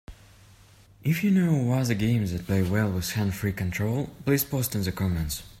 If you know of other games that play well with hands-free control, please post in the comments.